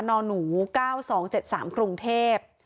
นหนู๙๒๗๓กรุงเทพฯ